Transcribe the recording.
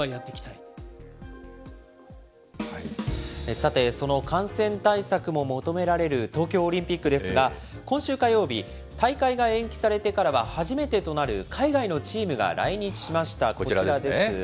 さて、その感染対策も求められる東京オリンピックですが、今週火曜日、大会が延期されてからは初めてとなる海外のチームが来日しました、こちらですね。